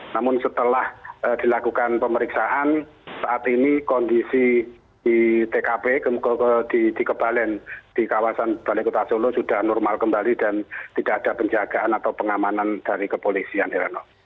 namun setelah dilakukan pemeriksaan saat ini kondisi di tkp di kebalen di kawasan balai kota solo sudah normal kembali dan tidak ada penjagaan atau pengamanan dari kepolisian